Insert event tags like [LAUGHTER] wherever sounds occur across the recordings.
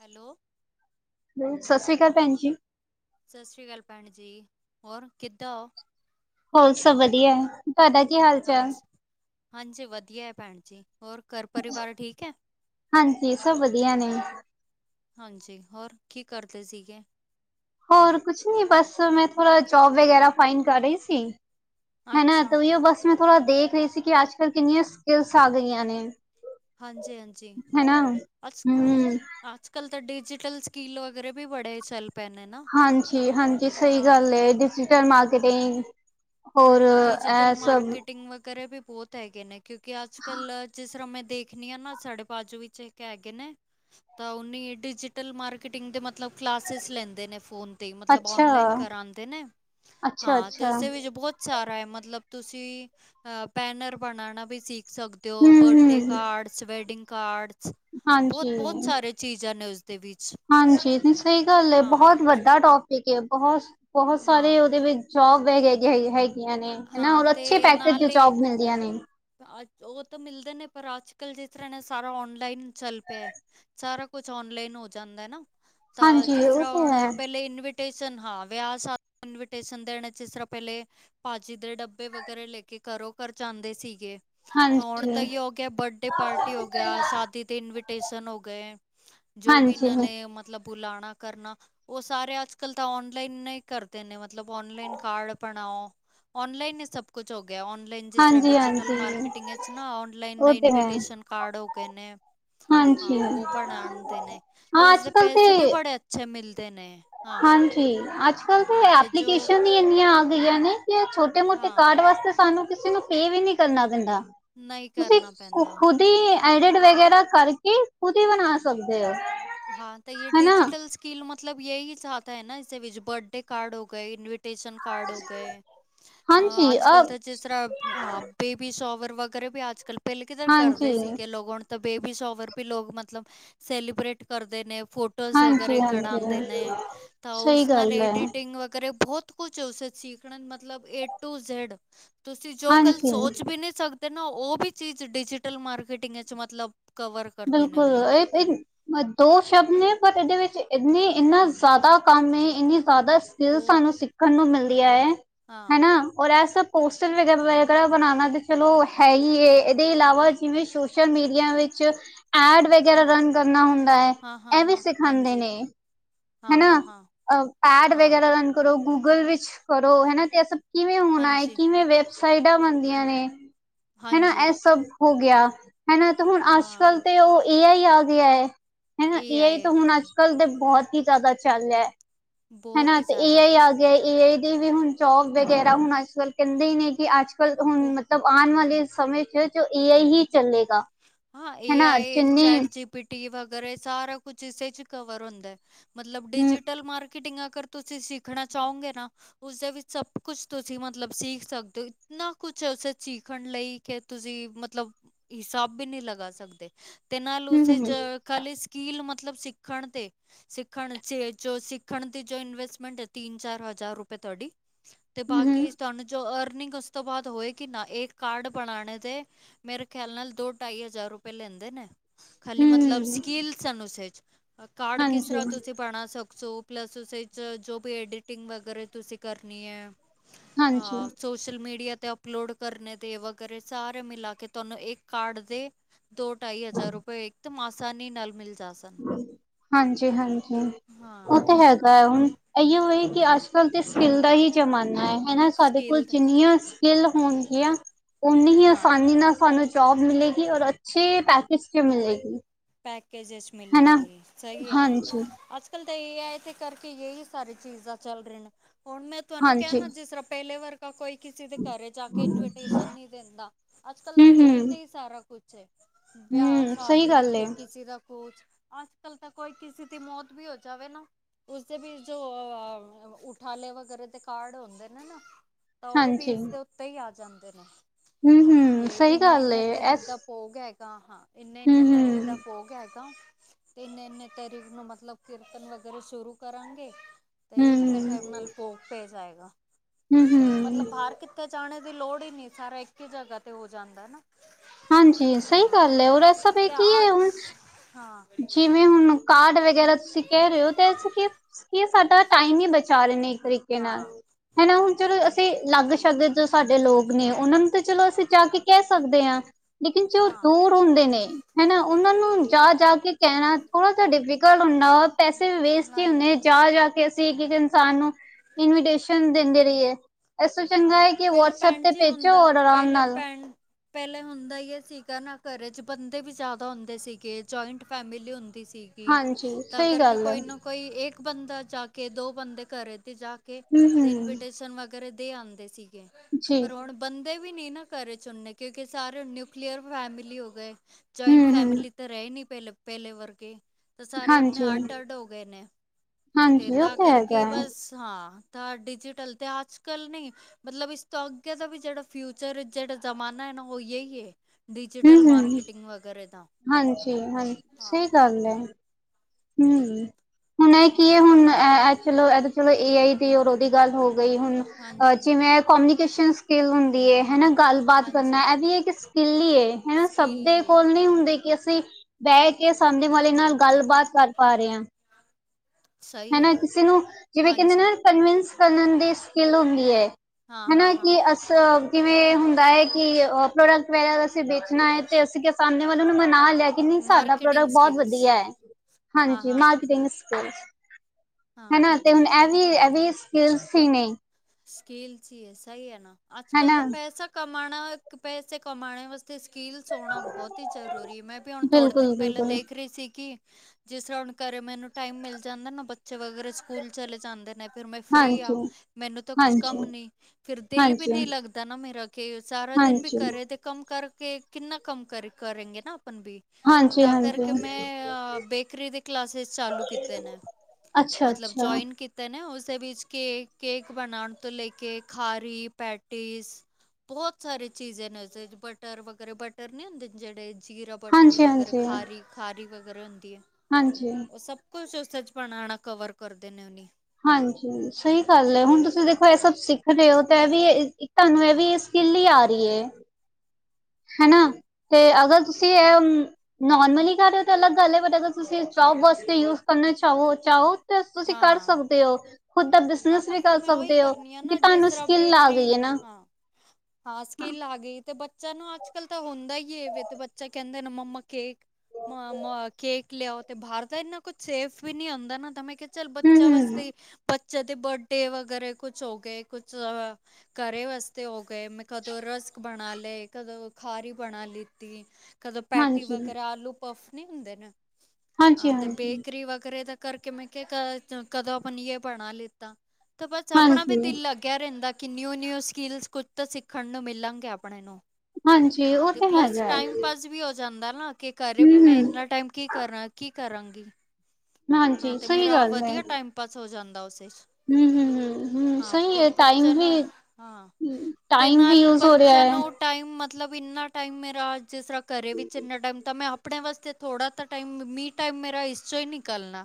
Hello. ਸਾਸਰੀ ਕਾਲ ਭੈਣ ਜੀ। ਸਾਸਰੀ ਕਾਲ ਭੈਣ ਜੀ ਹੋਰ ਕਿੱਦਾਂ ਓ। ਹੋ ਸਭ ਵਧੀਆ ਏ। ਤੁਹਾਡਾ ਕੀ ਹਾਲ ਹਾਂਜੀ-ਹਾਂਜੀ, ਵਧੀਆ ਐ ਪੈਣ ਜੀ, ਹੋਰ? ਘਰ ਪਰਿਵਾਰ ਠੀਕ ਐ। ਹਾਂਜੀ ਸਭ ਵਧੀਆ ਨੇ। ਹਾਂਜੀ, ਹੋਰ ਕੀ ਕਰਦੇ ਸੀਗੇ? ਹੋਰ ਕੁਛ ਨੀ ਬਸ, ਮੈਂ ਥੋੜਾ ਜੋਬ ਵਗੈਰਾ ਫ਼ਾਇਡ ਕਰ ਰਹੀ ਸੀ। ਹਨਾ ਅੱਛਾ ਤਾਂ ਉਹੀ ਬਸ ਮੈਂ ਥੋੜਾ ਦੇਖ ਰਹੀ ਸੀ ਕਿ ਅੱਜ-ਕੱਲ੍ਹ ਕਿੰਨੀਆਂ ਸ੍ਕਿਲਸ ਆ ਗਈਆਂ ਨੇ, ਹਾਂਜੀ ਹਾਂਜੀ ਹਨਾ, ਹੁੰ। ਅੱਜ-ਕੱਲ੍ਹ ਡਿਜੀਟਲ ਸਕਿੱਲ ਵਗੈਰਾ ਵੀ ਬੜੇ ਚੱਲ ਪਏ ਨੇ ਨਾ ਹਾਂਜੀ-ਹਾਂਜੀ, ਸਹੀ ਹਾਂ ਗੱਲ ਏ, ਡਿਜੀਟਲ ਹਾਂ ਮਾਰਕੀਟਿੰਗ ਹੋਰ ਡਿਜੀਟਲ ਇਹ ਸਭ ਮਾਰਕੀਟਿੰਗ ਵਗੈਰਾ ਵੀ ਬਹੁਤ ਹੈਗੇ ਨੇ, ਕਿਉਂਕਿ ਅੱਜ-ਕੱਲ੍ਹ ਜਿਸ ਤਰ੍ਹਾਂ ਮੈਂ ਦੇਖਣੀ ਆ ਨਾ, ਸਾਡੇ ਬਾਜੂ ਵਿੱਚ ਇਕ ਹੈਗੇ ਨੇ। ਤਾਂ ਉਹਨੀ ਡਿਜੀਟਲ ਮਾਰਕੀਟਿੰਗ ਦੇ ਮਤਲਬ ਕਲਾਸਿਸ ਲੈਂਦੇ ਨੇ ਫੋਨ ਤੇ ਮਤਲਬ ਅੱਛਾ ਔਨਲਾਈਨ ਕਰਾਦੇ ਨੇ ਹਾਂ ਅੱਛਾ ਤੇ ਅੱਛਾ ਉਸਦੇ ਵਿੱਚ ਬਹੁਤ ਸਾਰਾ ਏ ਮਤਲਬ ਤੁਸੀਂ ਬੈਨਰ ਬਣਾਣਾ ਵੀ ਸਿੱਖ ਸਕ ਦੇ ਓ, ਹੂੰ ਬੱਡੇ ਹੂੰ ਕਾਰਡਸ, ਵੈਡਿੰਗ ਕਾਰਡਸ, ਬਹੁਤ-ਬਹੁਤ ਹਾਂਜੀ ਸਾਰੇ ਛੀ ਜਿਨੇ ਉਸ ਦੇ ਵਿੱਚ। ਹਾਂਜੀ, ਸਹੀ ਗੱਲ ਏ ਹਾਂ ਬਹੁਤ ਵੱਡਾ ਟੋਪਿਕ ਏ ਬਹੁਤ-ਬਹੁਤ ਸਾਰੇ ਹਾਂ ਉਹਦੇ ਵਿੱਚ ਜੋਬ [UNINTELLIGIBLE] ਹੈਗੀਆਂ ਨੇ ਹਨਾ, ਹਾਂ ਔਰ ਅੱਛੇ ਪੈਕੇਜ ਦੀ ਜੋਬ ਮਿਲਦੀਆਂ ਨੇ। ਅਜ ਉਹ ਤਾਂ ਮਿਲਦੇ ਨੇ, ਪਰ ਅੱਜ-ਕੱਲ੍ਹ ਜਿਸ ਤਰ੍ਹਾਂ ਸਾਰਾ ਔਨਲਾਈਨ ਚੱਲ ਪਿਆ ਏ। ਸਾਰਾ ਕੁਛ ਔਨਲਾਈਨ ਹੋ ਜਾਂਦਾ ਐ ਨਾ ਤਾਂ ਹਾਂਜੀ ਜਿਸ ਉਹ ਤਰ੍ਹਾਂ ਤੇ ਹੁਣ ਹੈ ਪਹਿਲੇ ਇਨ ਟੇਸ਼ਨ ਹਾਂ, ਵਿਆਹ ਇਨਵੀਟੇਸ਼ਨ ਦੇਣਾ ਚ ਇਸ ਤਰ੍ਹਾਂ ਪਹਿਲੇ ਪਾਜੀ ਦੇ ਡੱਬੇ ਵਗੈਰਾ ਲੈ ਕੇ ਕਰੋਂ-ਕਰ ਜਾਂਦੇ ਸੀਗੇ। ਥੋਨ ਹਾਂਜੀ ਤਾਂ ਏ ਓ ਗਿਆ ਬਰਡੇ ਪਾਰਟੀ ਹੋ ਗਿਆ, ਸਾਦੀ ਤੇ ਇਨਵੀਟੇਸ਼ਨ ਹੋ ਗਏ ਜੋ ਵੀ ਹਾਂਜੀ ਇਹਨਾਂ ਨੇ ਮਤਲਬ ਬੁਲਾਣਾ ਕਰਨਾ। ਉਹ ਸਾਰੇ ਅੱਜ-ਕੱਲ੍ਹ ਤਾਂ ਔਨਲਾਈਨ ਨੀ ਕਰਦੇ ਨੇ, ਮਤਲਬ ਔਨਲਾਈਨ ਕਾਰਡ ਬਣਾਓ। ਔਨਲਾਈਨ ਹੀ ਸਭ ਕੁਛ ਹੋ ਗਿਆ, ਔਨਲਾਈਨ ਜਿਸ ਤਰਾਂ ਹਾਂਜੀ ਡਿਜੀ ਹਾਂਜੀ ਮਾਰਕਟਿੰਗ ਚ ਨਾ ਔਨਲਾਈਨ ਉਹ ਤੇ ਹੈ ਇਨਵਟੇਸ਼ਨ ਕਾਰਡ ਹੋਗੇ ਨੇ। ਹਾਂ, ਉਹ ਬਣਾਣਦੇ ਨੇ ਤੇ ਅੱਜ ਉਸਦੇ ਕੱਲ ਪੈਸੇ ਵੀ ਤੇ ਬੜੇ ਅੱਛੇ ਮਿਲਦੇ ਨੇ। ਹਾਂਜੀ, ਅੱਜ-ਕੱਲ੍ਹ ਤੇ ਐਪਲੀਕੇਸ਼ਨ ਹੀ ਇੰਨੀਆਂ ਆ ਗਈਆਂ ਨੇ ਕਿ ਛੋ ਛੋਟੇ-ਮੋਟੇ ਕਾਰਡ ਵਾਸਤੇ ਸਾਨੂੰ ਕਿਸੇ ਨੂੰ ਪੇ ਵੀ ਨੀ ਕਰਨਾ ਪੈਂਦ, ਤੁਸੀਂ ਪੈਂਦਾ ਖੁਦ ਤੁਸੀਂ ਐਡਿਟ ਵਗੈਰਾ ਕਰਕੇ ਖੁਦ ਹੀ ਬਣਾ ਸਕਦੇ ਓ। ਹਾਂ, ਤੇ ਇਹ ਡਿਜੀਟਲ ਕੀਲ ਮਤਲਬ ਚਾਹਤਾ ਐ ਨਾ ਇਸੇ ਵਿੱਚ ਬਰਥਡੇ ਕਾਰਡ ਹੋ ਗਏ, ਇਨਵੀਟੇਸ਼ਨ ਕਾਰਡ ਹੋ ਗਏ, ਹਾਂਜੀ ਅ ਅੱਜ-ਕੱਲ੍ਹ ਤਾਂ ਜਿਸ ਤਰ੍ਹਾਂ ਅ ਬੇਬੀ ਸ਼ੋਵਰ ਵਗੈਰਾ ਵੀ ਅੱਜ-ਕੱਲ੍ਹ ਪਹਿਲੇ ਕਿਧਰ ਹਾਂਜੀ ਕਰਦੇ ਸੀਗੇ, ਲੋਕ ਹੁਣ ਬੇਬੀ ਸ਼ੋਵਰ ਪਰ ਲੋਕ ਮਤਲਬ ਸੈਲੀਬ੍ਰੇਟ ਕਰਦੇ ਨੇ। ਫੋ ਫੋਟੋ ਹਾਂਜੀ ਵਗੈਰਾ ਕਢਾਣਦੇ ਹਾਂਜੀ ਨੇ, ਤਾਂ ਸਹੀ ਉਸ ਨਾਲ ਗੱਲ ਹੈ ਐਡੀਟਿੰਗ ਵਗੈਰਾ ਬਹੁਤ ਕੁਝ ਉਸ ਸਿੱਖਣ ਮਤਲਬ ਏ ਟੂ ਜੈਡ ਤੁਸੀਂ ਜੋ ਗੱਲ ਹਾਂਜੀ ਸੋਚ ਵੀ ਨਹੀਂ ਸਕਦ ਤੇ ਨਾ ਉਹ ਵੀ ਚੀਜ਼ ਡਿਜੀਟਲ ਮਾਰਕੀਟਿੰਗ ਚ ਮਤਲਬ ਕਵਰ ਕਰਦੇ ਨੇ ਬਿਲਕੁਲ ਉਹਨੇ ਇਹ ਇਹ ਦੋ ਸ਼ਬਦ ਨੇ ਪਰ ਇਹਦੇ ਵਿੱਚ ਇੰਨੀ ਇੰਨਾ ਜ਼ਿਆਦਾ ਕੰਮ ਏ, ਇੰਨੀ ਜਾਦਾ ਸ੍ਕਿਲ ਸਾਨੂੰ ਬਹੁਤ ਸਿੱਖਣ ਨੂੰ ਮਿਲਦੀਆਂ ਏ, ਹਾਂ ਹਨਾ ਔਰ ਇਹ ਸਭ ਪੋਸਟਰ ਵਗੈਰਾ-ਵਗੈਰਾ ਬਣਾਣਾ ਤਾਂ ਚਲੋ ਹੈ ਹੀ ਏ। ਇਹਦੇ ਇਲਾਵਾ ਜਿਵੇਂ ਸੋਸ਼ਲ ਮੀਡੀਆ ਵਿੱਚ ਚ ਐਡ ਵਗੈਰਾ ਰਨ ਕਰਨਾ ਹੁੰਦਾ ਏ, ਹਾਂ, ਹਾਂ, ਇਹ ਵੀ ਹਾਂ, ਸਿਖਾਂਦੇ ਹਾਂਜੀ, ਨੇ। ਹਾਂ, ਹੈਨਾ ਹਾਂ, ਹਾਂ, ਅ ਪੈਡ ਹਾਂ, ਵਗੈਰਾ [UNINTELLIGIBLE] ਕਰੋ ਗੂਗਲ ਵਿੱਚ ਕਰੋ ਹਨਾ ਤੇ ਐ ਸਬ ਕਿਵੇਂ ਹੋਨਾ ਏ? ਹਾਂਜੀ, ਕਿਵੇਂ ਵੈ ਸਾਈਡਾਂ ਬਨਦੀਆਂ ਨੇ ਹਨਾ ਹਾਂਜੀ, ਐ ਸਬ ਹੋ ਗਿਆ ਹਨਾ ਤੇ ਹੁਣ ਹਾਂ, ਅੱਜ-ਕੱਲ੍ਹ ਤੇ ਓ ਏ ਆਈ ਆ ਗਿਆ ਐ ਹੈਨਾ ਏ ਆਈ ਤੋ ਹੁਨ ਅੱਜ ਕੱਲ੍ਹ ਤੇ ਬਹੁਤ ਹੀ ਜਆਦਾ ਚੱਲ ਲੈ। ਬਹੁਤ ਹੈਨਾ ਹੀ ਤੇ ਏ ਜ਼ਿਆਦਾ ਆਈ ਗਿਆ ਏ ਆਈ ਦੇ ਵੀ ਹੁਨ ਚੌਕ ਵਗੈਰਾ ਹੁਨ ਅੱਜ ਕੱਲ ਕੈਂਦੇ ਈ ਨੇ ਕਿ ਅੱਜ ਕੱਲ੍ਹ ਹੁਨ ਬਹੁ ਮਤਲਬ ਆਨ ਵਾਲੇ ਸਮੇਂ ਚ ਜੋ ਏ ਆਈ ਹੀ ਚੱਲੇਗਾ। ਹਾਂ ਏ ਹਨਾ ਆਏ ਜਿੰਨੀ ਚੇਟ ਜੀ ਪੀਟੀ ਵਗੇਰਾ ਏ ਸਾਰਾ ਕੁਛ ਇਸੇ ਚੀ ਕਵਰ ਹੁੰਦੈ ਮਤਲਬ ਹਮ ਡਿਜੀਟਲ ਮਾਰ ਕਿਟਿੰਗ ਅਗਰ ਤੁਸੀ ਸਿੱਖਣਾ ਚਾਓਂਗੇ ਨਾ ਉਸਦੇ ਵਿੱਚ ਸਬ ਕੁਛ ਤੁਸੀ ਮਤਲਬ ਸੀਖ ਸਕਦੇ ਓ ਇਤਨਾ ਕੁਛ ਐ ਉਸੇ ਸੀਖਨ ਲਈ ਕਿ ਤੁਸੀ ਮਤਲਬ ਹਿਸਾਬ ਬੀ ਨੀ ਲਗਾ ਸਕਦੇ ਤੇ ਨਾਲ ਹਮ ਉਸੇ ਹਮ ਚ ਖਾਲੀ ਸਕੀਲ ਮਤਲਬ ਸਿੱਖਣ ਤੇ ਸਿੱਖਣ ਚ ਜੋ ਸਿੱਖਣ ਦੀ ਜੋ ਇਨਵੈਸਟਮੈਂਟ ਐ ਤਿੰਨ ਚਾਰ, ਹਜਾਰ ਰੁਪਏ ਤੁਆਡੀ ਤੇ ਹਮ ਬਾਕੀ ਤਾਨੂੰ ਜੋ ਅਰਨਿੰਗ ਉਸ ਤੋਂ ਬਾਅਦ ਹੋਏਗੀ ਨਾ ਇੱਕ ਕਾਰਡ ਬਣਾਣੇ ਦੇ ਮੇਰੇ ਖਿਆਲ ਨਾਲ ਦੋ ਢਾਈ ਹਜਾਰ ਰੁਪਏ ਲੈਂਦੇ ਨੇ ਹਮ ਖਾਲੀ ਮਤਲਬ ਹਮ ਸਕੀਲ ਸਨ ਉਸੇ ਚ। ਆ ਕਾਰਡ ਕਿਸ ਹਾਂਜੀ ਤਰ੍ਹਾ ਤੁਸੀ ਬਣਾ ਸਕਸੋ ਪਲੱਸ ਉਸੇ ਚ ਜੋ ਵੀ ਐਡੀਟਿੰਗ ਵਗੈਰੇ ਤੁਸੀ ਕਰਨੀ ਐ, ਹਾਂਜੀ ਹਾਂ ਸੋਸ਼ਲ ਮੀਡੀਆ ਤੇ ਅਪਲੋਡ ਕਰਨੇ ਦੇ ਵਗੈਰੇ ਸਾਰੇ ਮਿਲਾ ਕੇ ਤਾਨੂੰ ਇਕ ਕਾਰਡ ਦੇ ਦੋ ਢਾਈ ਹਜਾਰ ਰੁਪਏ ਇਕਦਮ ਆਸਾਨੀ ਨਾਲ ਮਿਲ ਜਾ ਸਕ ਹਾਂਜੀ, ਹਾਂਜੀ ਓ ਹਾਂ ਤਾ ਹੈਗਾ ਐ ਹੁਣ ਅਈਓ ਹੈ ਕਿ ਅੱਜ ਕੱਲ੍ਹ ਤੇ ਸਕਿੱਲ ਦਾ ਹੀ ਜਮਾਨਾ ਐ ਹੈਨਾ ਸਾਡੇ ਕੋਲ ਸਕਿੱਲ ਤੇ ਜਿੰਨੀਆਂ ਸਕਿੱਲ ਹੋਨਗੀਆਂ, ਓਨੀ ਹੀ ਹਾਂ ਆਸਾਨੀ ਨਾਲ ਸਾਨੂੰ ਜੋਬ ਮਿਲੇਗੀ ਔਰ ਅੱਛੇ ਪੈਕੇਜ ਕੀ ਮਿਲੇਗੀ। ਪੈਕੇਜਜ ਹਨਾ ਮਿਲੇਗੀ ਸਈ ਐ ਨਾ ਹਾਂਜੀ-ਹਾਂਜੀ ਅੱਜ ਕੱਲ ਤਾ ਏ ਆਈ ਤੇ ਕਰਕੇ ਯਹੀ ਸਾਰੀ ਚੀਜ਼ਾਂ ਚੱਲ ਰੀ ਨੇ, ਹੁਣ ਮੈਂ ਤੁਆਨੂੰ ਕਿਆ ਨਾ ਜਿਸ ਤਰ੍ਹਾਂ ਪੈਲੇ ਵਰਗਾ ਕੋਈ ਕਿਸੀ ਦੇ ਘਰੇ ਜਾ ਕੇ ਇਨਵੀਟੇਸ਼ਨ ਨੀ ਦੇਂਦਾ, ਅੱਜ ਕੱਲ ਤਾ ਹੂੰ-ਹੂੰ, ਫੋਨ ਹੂੰ ਤੇ ਈ ਸਾਰਾ ਕੁਛ ਐ। ਹੂੰ ਵਿਆਅ ਹੂੰ ਸਹੀ ਸ਼ਾਦੀ ਗੱਲ ਏ। ਫਿਰ ਕਿਸੇ ਦਾ ਕੋਛ, ਅੱਜ ਕੱਲ ਤਾ ਕੋਈ ਕਿਸੇ ਦੀ ਮੌਤ ਵੀ ਹੋ ਜਾਵੇ ਨਾ ਉਸਦੇ ਵੀ ਜੋ ਅ ਉਠਾਲੇ ਵਗੈਰਾ ਦੇ ਕਾਰਡ ਹੁੰਦੇ ਨੇ ਨਾ ਤਾ ਓ ਵੀ ਹਾਂਜੀ ਇਸਦੇ ਉੱਤੇ ਈ ਆ ਜਾਂਦੇ ਨੇ। ਹੂੰ-ਹੂੰ ਕੇ ਸਹੀ ਇੰਨੇ ਗੱਲ -ਇੰਨੇ ਏ ਤਰੀਕ ਐਸ ਦਾ ਭੋਗ ਹੈਗਾ ਹਾਂ ਇੰਨੇ -ਇੰਨੇ ਤਰੀਕ ਦਾ ਹੂੰ-ਹੂੰ, ਭੋਗ ਹੈਗਾ ਤੇ ਇੰਨੇ -ਇੰਨੇ ਤਰੀਕ ਨੂੰ ਮਤਲਬ ਕੀਰਤਨ ਵਗੈਰਾ ਸ਼ੁਰੂ ਕਰਾਂਗੇ ਤੇ ਇਤੇ ਹੂੰ-ਹੂੰ, ਟੈਮ ਨਾਲ ਭੋਗ ਪੈ ਜਾਏਗਾ ਹੂੰ-ਹੂੰ ਮਤਲਬ ਬ ਬਾਰ ਕਿਤੇ ਜਾਣੇ ਦੀ ਲੋੜ ਈ ਨੀ ਸਾਰਾ ਇੱਕ ਈ ਜਗ੍ਹਾ ਤੇ ਹੋ ਜਾਂਦੈ ਨਾ। ਹਾਂਜੀ, ਸਈ ਹਾਂ ਗੱਲ ਐ ਔਰ ਐ ਸਭ ਇ ਤੇ ਆਜ ਹਾਂ। ਜਿਵੇਂ ਹੁੰ ਕਾਰਡ ਵਗੈਰਾ ਤੁਸੀ ਕੈ ਰੇ ਓ ਤੇ ਐ ਸੀ ਕੀ ਕੀ ਸਾਡਾ ਟਾਈਮ ਈ ਬਚਾ ਰੇ ਨੇ ਇੱਕ ਤਰੀਕੇ ਕੇ ਨਾਲ। ਹਾਂ ਹਨਾ, ਹੁਨ ਚਲੋ ਅਸੀ ਲੱਗ -ਸ਼ੱਗ ਜੋ ਸਾਡੇ ਲੋਕ ਨੇ ਉਨਾਂ ਨੂੰ ਤਾ ਚਲੋ ਅਸੀ ਜਾ ਕੇ ਕੈ ਸਕਦੇ ਆਂ। ਲੇਕਿਨ ਜੋ ਹਾਂ ਦੂਰ ਹੁੰਦੇ ਨੇ ਹੈਨਾ ਓਨਾਂ ਨੂੰ ਜਾ ਜਾ ਕੈਨਾ ਓ ਤਾ ਡਿਫਿਕਲਟ ਹੁੰਨਾ, ਪੈਸੇ ਵੀ ਵੇਸਟ ਈ ਨਹੀਂ ਹੁੰਦੇ ਹੁੰਦਾ ਜਾ ਜਾ ਕੇ ਅਸੀਂ ਇੱਕ- ਇੱਕ ਇਨਸਾਨ ਨੂੰ ਇਨਵੀਟੇਸ਼ਨ ਦਿੰਦੇ ਰਹੀਏ। ਐਸ ਤੋਂ ਚੰਗਾ ਹਾਂ ਐ ਕਿ ਪਹਿਲੇ ਵਟਸਐਪ ਪਿੰਡ ਤੇ ਚ ਹੀ ਭੇਜੋ ਹੁੰਦਾ ਔਰ ਆਰਾਮ ਪਹਿਲੇ ਨਾਲ। ਪਿੰਡ ਪਹਿਲੇ ਹੁੰਦਾ ਈ ਇਹ ਸੀਗਾ ਨਾ ਘਰੇ ਚ ਬੰਦੇ ਵੀ ਜ਼ਿਆਦਾ ਹੁੰਦੇ ਸੀਗੇ, ਜੁਆਇੰਟ ਫੈਮਿਲੀ ਹੁੰਦੀ ਸੀ। ਕਿ ਹਾਂਜੀ ਤਾਂ ਸਹੀ ਕਰਕੇ ਗੱਲ ਹੈ ਕੋਈ ਨਾ ਕੋਈ ਇੱਕ ਇੱਕ ਬੰਦਾ ਜਾ ਕੇ ਦੋ ਬੰਦੇ ਘਰੇ ਤੇ ਜਾ ਕੇ ਹਮ ਤੇ ਹਮ ਇਨਵੀਟੇਸ਼ਨ ਵਗੈਰਾ ਦੇ ਆਂਦੇ ਸੀ। ਗੇ ਜੀ ਪਰ ਹੁਣ ਬੰਦੇ ਵੀ ਨਹੀਂ ਨਾ ਘਰੇ ਚੁਣਨੇ, ਕਿਉਂਕਿ ਸਾਰੇ ਨਿਊਕਲੀਅਰ ਫੈਮਿਲੀ ਹੋ ਗਏ, ਜਇੰਟ ਹਮ ਹਮ ਫੈਮਿਲੀ ਤੇ ਰਹੇ ਨੀ ਪਹਿਲੇ -ਪਹਿਲੇ ਵਰਗੇ, ਤਾਂ ਸਾਰੇ ਆਪਣੇ ਹਾਂਜੀ ਅੱਡ -ਅੱਡ ਹੋ ਗਏ ਨੇ। ਤੇ ਹਾਂਜੀ ਉਹ ਤਾਂ ਹੈਗਾ ਕਰਕੇ ਹੈ ਬਸ ਹਾਂ ਤਾਂ ਡਿਜੀਟਲ ਤੇ ਅੱਜ ਕੱਲ ਨਹੀ ਮਤਲਬ ਇਸ ਤੋਂ ਅੱਗੇ ਦਾ ਵੀ ਜਿਹੜਾ ਫਿਊਚਰ ਐ, ਜਿਹੜਾ ਜ਼ਮਾਨਾ ਐ ਨਾ ਉਹ ਜਿਹੀ ਐ। ਹੂੰ ਡਿਜੀਟਲ ਹੂੰ ਮਾਰਕੀਟਿੰਗ ਵਗੈਰਾ ਦਾ। ਹਾਂਜੀ, ਹਾਂਜੀ ਹਾਂ ਸਹੀ ਗੱਲ ਏ। ਹਮ ਹੁਣ ਇਹ ਕੀ ਏ, ਹਮ ਹਮ ਹੁਣ ਚਲੋ ਇਹ ਚਲੋ ਏ ਆਈ ਔਰ ਉਦੀ ਗੱਲ ਹੋ ਗਈ, ਹੁਣ ਆ ਹਾਂਜੀ ਜਿਵੇਂ ਕਮਿਊਨੀਕੇਸ਼ਨ ਸਕਿੱਲ ਹੁੰਦੀ ਏ। ਹਨਾ, ਗੱਲਬਾਤ ਹਾਂਜੀ ਕਰਨਾ ਇਹ ਵੀ ਇੱਕ ਸਕਿੱਲ ਈ ਏ ਹਨਾ, ਸਭ ਸਕਿੱਲ ਦੇ ਹੀ ਹੈ ਕੋਲ ਨੀ ਹਾਂ ਹੁੰਦੇ ਕਿ ਅਸੀਂ ਬਹਿ ਕੇ ਸੰਧਮੀ ਮਾਲੀ ਨਾਲ ਗੱਲ-ਬਾਤ ਕਰ ਪਾ ਰਹੇ ਆ। ਹੈ ਨਾ ਕਿਸੇ ਨੂੰ ਜਿਵੇਂ ਕਹਿੰਦੇ ਹਾਂਜੀ ਨਾ ਕਨਵਿੰਸ ਕਰਨ ਦੀ ਸਕਿਲ ਹੁੰਦੀ ਏ, ਹਾਂ ਹਾਂ ਹਨਾ ਕਿ ਹਾਂ ਅਸੀਂ ਕਿਵੇਂ ਹੁੰਦਾ ਏ ਕਿ ਅ ਪ੍ਰੋਡਕਟ ਵਗੈਰਾ ਅਸੀਂ ਵੇਚਣਾ ਏ, ਤੇ ਅਸੀਂ ਸਾਹਮਣੇ ਵਾਲੇ ਨੂੰ ਮਨਾ ਲੈ ਕੇ ਨਹੀਂ ਸਾਡਾ ਮਾਰਕੀਟਿੰਗ ਪ੍ਰੋਡਕਟ ਬਹੁਤ ਸਕਿੱਲਸ ਵਧੀਆ ਆ, ਹਾਂ ਹਾਂਜੀ ਹਾਂ ਮਾਰਕਟਿੰਗ ਸਕਿਲ 'ਚ। ਹਾਂ ਹਨਾ, ਤੇ ਹੁਣ ਐ ਵੀ ਐ ਵੀ ਸਕਿਲਸੀ ਹੀ ਨੇ। ਸਕਿਲਸੀ ਏ ਸਹੀ ਨਾ, ਅੱਜ-ਕੱਲ ਹਨਾ ਤਾਂ ਪੈਸਾ ਕਮਾਣਾ ਹੋਏ ਇੱਕ ਪੈਸੇ ਕਮਾਣੇ ਬਸ। ਇਥੇ ਸਕਿਲਸ ਹੋਣਾ ਬਹੁਤ ਈ ਜ਼ਰੂਰੀ ਏ, ਮੈਂ ਵੀ ਹੁਣ ਥੋੜੇ ਦਿਨ ਬਿਲਕੁਲ ਪਹਿਲਾਂ ਬਿਲਕੁਲ ਦੇਖ ਰਹੀ ਸੀਗੀ। ਜਿਸ ਹਿਸਾਬ ਨਾਲ ਘਰੇ ਮੈਨੂੰ ਟਾਈਮ ਮਿਲ ਜਾਂਦਾ, ਨਾ ਬੱਚੇ ਵਗੈਰਾ ਸਕੂਲ ਚਲੇ ਜਾਂਦੇ ਨੇ। ਫਿਰ ਮੈਂ ਫਰੀ ਆ। ਹਾਂਜੀ ਮੈਨੂੰ ਤਾਂ ਕੁਛ ਕੰਮ ਹਾਂਜੀ ਨੀ, ਫਿਰ ਦਿਲ ਵੀ ਹਾਂਜੀ ਨੀ ਲੱਗਦਾ ਨਾ ਮੇਰਾ, ਕਿ ਸਾਰਾ ਦਿਨ ਵੀ ਹਾਂਜੀ ਕਰੇ ਤੇ ਕੰਮ ਕਰਕੇ ਕਿੰਨਾ ਕੰਮ ਕਰੇਗੇ ਆਪਨ ਵੀ। ਹਾਂਜੀ ਤਾਂ ਕਰਕੇ ਹਾਂਜੀ ਮੈਂ ਅ ਬੇਕਰੀ ਦੇ ਕਲਾਸਿਸ ਚਾਲੂ ਕੀਤੇ ਨੇ। ਅੱਛਾ-ਅੱਛਾ! ਤੇ ਨਾ ਉਸਦੇ ਵਿੱਚ ਕੇ ਕੇਕ ਬਣਾਉਣ ਤੋਂ ਲੈ ਕੇ ਖਾਰੀ ਪੈਟੀਸ ਬਹੁਤ ਸਾਰੇ ਚੀਜ਼ਾਂ ਨੇ ਉਹਦੇ ਬਟਰ ਵਗੈਰਾ ਬਟਰ ਨੀ ਹੁੰਦੇ ਜਿਹੜੇ ਜੀਰਾ ਬਟਰ ਹਾਂਜੀ ਵਗੈਰਾ ਹਾਂਜੀ ਖਾ ਖਾਰੀ ਵਗੈਰਾ ਹੁੰਦੀ ਏ। ਹਾਂਜੀ। ਉਹ ਸਭ ਕੁਛ ਉਸ 'ਚ ਭਣਾਣਾ ਕਵਰ ਕਰਦੇ ਨੇ ਹੁਨੀ। ਹਾਂਜੀ ਸਹੀ ਗੱਲ ਏ, ਹੁਣ ਦੇਖੋ ਇਹ ਸਭ ਸਿੱਖ ਰਹੇ ਹੋ, ਤਾਂ ਇਹ ਵੀ ਤੁਹਾਨੂੰ ਇਹ ਵੀ ਇਸ ਸਕਿਲ ਹੀ ਆ ਰਹੀ ਏ। ਹਨਾ, ਤੇ ਅਗਰ ਤੁਸੀਂ ਇਹ ਅਮ ਨੋਰਮਲੀ ਕਰ ਰਹੇ ਹੋ ਤਾਂ ਅਲਗ ਗੱਲ ਏ, ਪਰ ਅਗਰ ਤੁਸੀਂ ਚਾਹੋ ਜੌਬ ਵਾਸਤੇ ਯੂਜ ਕਰਨਾ ਚਾਹੋ- ਚਾਹੋ। ਤੁਸੀਂ ਕਰ ਹਾਂ ਸਕਦੇ ਹੋ, ਖੁੱਦ ਦਾ ਬਸ ਹਾਂ ਤਾਂ ਫਿਰ ਮੈਂ ਉਹੀ ਕਰਨੀ ਆ ਨਾ, ਜਿਸ ਤਰ੍ਹਾਂ ਸਕਿੱਲ ਆ ਗਈ ਬੇਕਰੀ ਹੈ ਨਾ ਹਾਂ ਸਕਿੱਲ ਆ ਗਈ, ਤੇ ਬੱਚਿਆਂ ਨੂੰ ਅੱਜ-ਕੱਲ ਤਾਂ ਹੁੰਦਾ ਹੀ ਹੈਵੇ, ਤੇ ਬੱਚਾ ਕਹਿੰਦੇ ਨਾ ਮੰਮਾ ਕੇਕ ਮੈ ਮੈ ਅ ਕੇਕ ਲਿਆਓ, ਤੇ ਬਾਹਰ ਦਾ ਇਹਨਾਂ ਕੁਛ ਸੇਫ ਵੀ ਨੀ ਆਦਾ ਨਾ, ਮੈਂ ਆਖਿਆ ਚਲ ਹੂੰ ਬੱਚਿਆਂ ਹੂੰ ਵਾਸਤੇ ਬੱਚਿਆਂ ਦੇ ਬਰਡੇ ਵਗੈਰਾ ਕੁਛ ਹੋ ਗਏ ਕੁਛ ਆ। ਘਰੇ ਵਾਸਤੇ ਹੋ ਗਏ, ਮੈਂ ਕਦੋਂ ਰਾਸਕ ਬਣਾ ਲਏ, ਕਦੋਂ ਖਾਰੀ ਬਣਾ ਲਿੱਤੀ। ਕਦੋਂ ਪੈਟੀ ਹਾਂਜੀ ਵਗੈਰਾ ਆਲੂ ਪਫ ਨੀ ਹੁੰਦੇ ਨੇ, ਹਾਂਜੀ ਹਾਂ ਤੇ ਹਾਂਜੀ ਬੇਕਰੀ ਵਗੈਰਾ ਦਾ। ਕਰਕੇ ਮੈਂ ਕਿਹਾ ਕਾ ਤੋਂ ਕਦੋ ਅਪਣਾ ਲੀਏ ਬਣਾ ਲੀਤਾ, ਤੇ ਬਸ ਆਪਣਾ ਵੀ ਹਾਂਜੀ ਦਿਲ ਲੱਗ- ਕਹਿ ਰਹਿਂਦਾ ਕੀ ਨਿਊ-ਨਿਉ ਸਕਿੱਲਸ ਕੁਝ ਤਾਂ ਸਿੱਖਣ ਨੂੰ ਮਿਲਣਗੇ ਆਪਣੇ ਨੂੰ। ਹਾਂਜੀ ਹਾਂ ਉਹ ਤੇ ਪਲੱਸ ਹੈਗਾ ਹੈ ਟਾਈਮ ਪਾਸ ਵੀ ਹੋ। ਜਾਂਦਾ ਨਾ ਕੇ ਘਰੇ ਹੂੰ ਵੀ ਮੈਂ ਇਨਾ ਹੂੰ ਟਾਈਮ ਕੀ ਕਰਾ, ਕੀ ਕਰਾਂਗੀ। ਹਾਂ ਹਾਂਜੀ ਤੇ ਸਹੀ ਮੇਰਾ ਗੱਲ ਹੈ ਵਧੀਆ ਟਾਈਮ ਪਾਸ ਹੋ ਜਾਂਦਾ ਉਸੇ 'ਚ। ਹੂੰ ਹੂੰ ਹੂੰ ਹੂੰ ਹਾਂ ਸਹੀ ਫੇਰ ਹੈ ਟਾਈਮ ਬੱਚੇ ਨੂੰ ਵੀ ਹਾਂ। ਤੇ ਟਾਈਮ ਵੀ ਨਾਲ ਯੂਜ ਹੋ ਰਿਹਾ ਬੱਚਾ ਨਾ ਹੈ ਓ- ਟਾਈਮ ਮਤਲਬ ਇੰਨਾ ਟਾਈਮ ਮੇਰਾ ਜਿਸ ਤਰਾਂ ਘਰੇ ਵਿੱਚ ਇੰਨਾ ਟਾਈਮ ਤਾਂ ਮੈਂ ਆਪ- ਆਪਣੇ ਵਾਸਤੇ ਥੋੜਾ ਤ ਟਾਇਮ ਮੀਹ ਟਾਇਮ ਮੇਰਾ ਇਸ ਚੋਂ ਹੀ ਨਿਕਲਣਾ।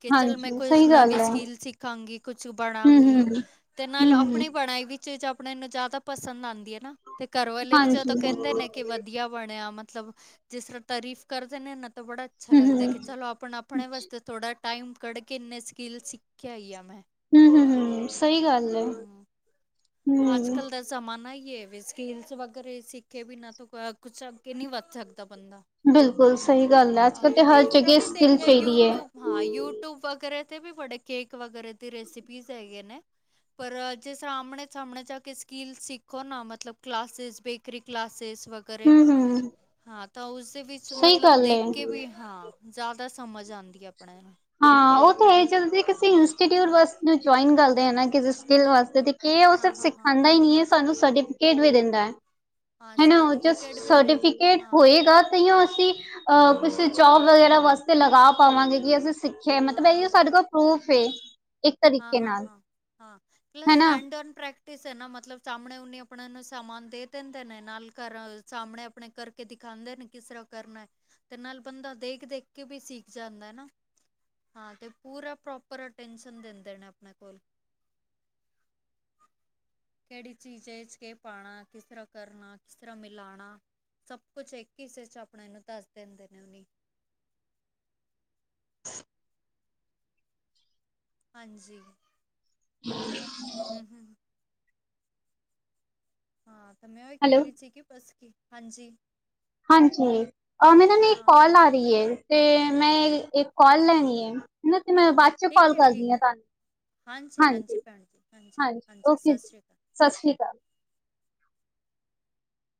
ਕਿ ਚਲ ਮੈਂ ਹਾਂਜੀ ਕੋਈ ਸਹੀ ਗੱਲ ਨਵੀ ਹੈ ਸਕਿੱਲ- ਖਾਂਗੀ, ਕੁਛ ਹਮ ਬਣਾਂਗੀ ਹਮ ਤੇ ਨਾਲ ਹਮ ਆਪਣੀ ਪ- ੜਾਈ ਵੀਚ ਜਾ ਆਪਣਿਆਂ ਨੂੰ ਜ਼ਿਆਦਾ ਪਸੰਦ ਆਂਦੀ ਆ ਨਾ ਤੇ ਘਰ ਵਾਲੇ ਵੀ ਹਾਂਜੀ ਜਦੋਂ ਕਹਿੰਦੇ ਨੇ ਹਮ ਕਿ ਵਧ ਵਧੀਆ ਬਣਿਆ ਮਤਲਬ ਜਿਸ ਤਰਾਂ ਤਾਰੀਫ਼ ਕਰਦੇ ਨੇ ਨਾ ਤਾਂ ਬੜਾ ਅੱਛਾ ਹਮ ਲੱਗਦਾ। ਕਿ ਚਲੋ ਆਪਣਾ ਆਪ ਆਪਣੇ ਵਾਸਤੇ ਥੋੜਾ ਟਾਈਮ ਕੱਢ ਕੇ ਇੰਨੇ ਸਕਿੱਲ ਸਿੱਖਿਆ ਹੀ ਆ ਮੈਂ। ਹੂੰ-ਹੂੰ, ਹੂੰ ਸਹੀ ਗੱਲ ਐ। ਅੱਜ-ਕੱਲ ਦਾ ਜਮਾਂਨਾ ਏ ਈ ਏ, ਵੀ ਸਕਿੱਲਸ ਵਗੈਰੇ ਸਿੱਖੇ ਬਿਨਾਂ ਤੋਂ ਕੁਛ ਅਗੇ ਨਹੀਂ ਵੱਧ ਸਕਦਾ ਬੰਦਾ ਬਿਲਕੁਲ ਸਹੀ ਗੱਲ ਐ ਅੱਜ-ਕਲ ਹਾਂ ਤਾਂ ਮੈਂ ਹਰ ਇਸ ਤਰ੍ਹਾਂ ਜਗੇ ਵੀ ਸਕਿੱਲ ਦੇਖਿਆ ਚਾਹੀਦੀ ਐ। ਯੂਟਿਊਬ ਹਾਂ ਯੂਟਿਊਬ ਵਗੈਰਾ ਤੇ ਵੀ ਬੜੇ ਕੇਕ ਵਗੈਰਾ ਦੀ ਰੈਸਪੀਜ਼ ਹੈਗੇ ਨੇ। ਪਰ ਜੇ ਸਾਹਮਣੇ ਸਾਹਮਣੇ ਜਾ ਕੇ ਸਕਿਲ ਸਿੱਖੋ ਨਾ ਮਤਲਬ ਕਲਾਸਿਸ ਬੇਕਰੀ ਕਲਾਸਿਸ ਵਗੈਰੇ ਹਮ ਹਮ ਹਾਂ ਤਾਂ ਉਸੇ ਵਿੱਚ ਸਹੀ ਮਤਲਬ ਗੱਲ ਦੇਖ ਹੈ ਕੇ ਵੀ ਹਾਂ। ਜ਼ਿਆਦਾ ਸਮਝ ਆਂਦੀ ਏ ਆਪਣੇ ਨੂੰ। ਹਾਂ ਉਹ ਤੇ ਐ ਜਗਦੀ ਆ ਕਿਸੇ ਇੰਸਿਊਟਇਨ ਵਾਸਤੇ ਜਿਓਅਨ ਕਰਦੇ ਆ ਨਾ ਕਿਸੇ ਸਕਿਲ ਵਾਸਤੇ ਕੀ ਏਹ ਸਿਰਫ ਹਾਂ-ਹਾਂ-ਹਾਂ, ਹਾਂ ਸਿਖਾਂਦਾ ਹੀ ਨਹੀਂ ਏ ਸਾਨੂੰ ਸਰਟੀਫਿਕੇਟ ਵੀ ਦਿੰਦਾ ਏ। ਹਾਂ ਹਾਂ ਹਨਾ ਜੇ ਸਰਟੀਫਿਕੇਟ ਵੀ ਮਿਲ ਸਰਟੀਫਿਕੇਟ ਹਾਂ, ਹੋਏਗਾ ਤਾਇਓ ਅਸੀਂ ਅ ਹਾਂ, ਕੁਛ ਜੌਬ ਵਗੈਰਾ ਵਾਸਤੇ ਲਗਾ ਪਾਵਾਂਗੇ ਕਿ ਅਸੀਂ ਸਿੱਖਿਆ ਹਾਂ-ਹਾਂ-ਹਾਂ, ਇਹ ਸਾਡੇ ਕੋਲ ਪ੍ਰੂਫ ਏ। ਇੱਕ ਤਰੀਕੇ ਹਾਂ-ਹਾਂ ਨਾਲ ਹਾਂ, ਹਾਂ ਪਲਸ ਹੈਨਾ ਹੈਡ ਔਨ ਪ੍ਰਕ ਟੇ ਸੇ ਨਾ ਮਤਲਬ ਸਾਹਮਣੇ ਓਨੀ ਆਪਣੇ ਨੂੰ ਸਮਾਨ ਦੇ ਦਿੰਦੇ ਨੇ ਨਾਲ ਕਰਲ ਸਾਹਮਣੇ ਆਪਣੇ ਕਰ ਕੇ ਦਿਖਾਂਦੇ ਨੇ ਕਿਸ ਰਾਂ ਕਰਨਾ ਤੇ ਨਾਲ ਬੰਦਾ ਦੇਖ-ਦੇਖ ਕੇ ਵੀ ਸੀਖ ਜਾਂਦਾ ਨਾ। ਹਾਂ ਤੇ ਪੂਰਾ ਪ੍ਰੋਪਰ ਅਟੈਂਸ਼ਨ ਦਿੰਦੇ ਨੇ ਆਪਣੇ ਕੋਲ। ਕਿਹੜੀ ਚੀਜ਼ ਇਹ ਚ' ਕੇ ਪਾਣਾ ਕਿਸ ਤਰਾਂ ਕਰਨਾ ਕਿਸ ਤਰਾਂ ਮਿਲਾਂਣਾ। ਸਭ ਕੁਛ ਇੱਕ ਹਿੱਸੇ ਚ ਆਪਣੇ ਨੂੰ ਦੱਸ ਦਿੰਦੇ ਨੇ ਓਨੀ। [INAUDIBLE] ਹਾਂਜੀ ਹੂੰ-ਹੂੰ। ਹਾਂ ਤੇ ਮੈਂ ਉਹਹੀ ਕਹਿ ਹੈਲੋ ਰਹੀ ਸੀਗੀ ਬਸ ਕੀ ਹਾਂਜੀ ਹਾਂਜੀ ਓ ਮੈਨੂੰ ਨਾ ਇੱਕ ਹਾਂ ਕਾਲ ਆ ਰੀ ਏ ਤੇ ਮੈਂ ਇੱਕ ਕੌਲ ਲੈਣੀ ਏ, ਮੈਂ ਤੇਨੇ ਬਾਅਦ ਚ ਠੀਕ ਕੌਲ ਹੈ ਠੀਕ ਕਰਦੀ ਆ ਹੈ ਤਾਨੂੰ, ਹਾਂਜੀ ਹਾਂਜੀ ਭੈਣ ਜੀ ਹਾਂਜੀ ਹਾਂਜੀ-ਹਾਂਜੀ ਹਾਂਜੀ ਓਕੇ ਸਤਿ ਜੀ। ਸ਼੍ਰੀ ਅਕਾਲ ਸਾਸਰੀਕਾਲ।